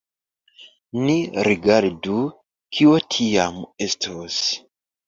Ni rigardu, kio tiam estos.